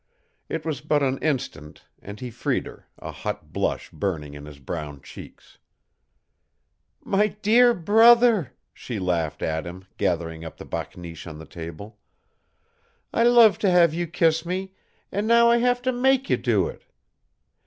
It was but an instant, and he freed her, a hot blush burning in his brown cheeks. "My dear brother!" she laughed at him, gathering up the bakneesh on the table. "I love to have you kiss me, and now I have to make you do it.